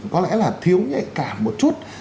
có lẽ là thiếu nhạy cảm một chút